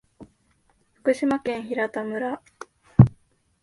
福島県平田村